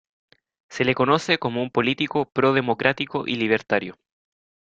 Se le conoce como un político pro-democrático y libertario.